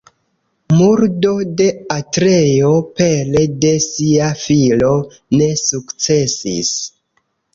Murdo de Atreo pere de sia filo ne sukcesis.